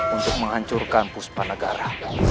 untuk menghancurkan puspa negara